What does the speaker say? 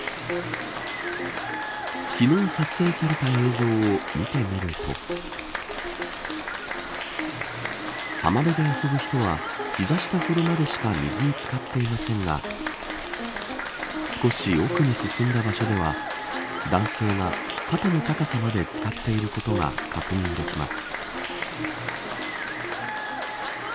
昨日撮影された映像を見てみると浜辺で遊ぶ人は膝下ほどまでしか水に漬かっていませんが少し奥に進んだ場所では男性が、肩の高さまで漬かっていることが確認できます。